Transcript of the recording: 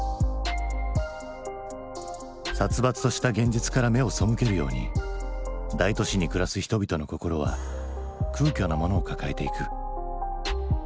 殺伐とした現実から目を背けるように大都市に暮らす人々の心は空虚なものを抱えていく。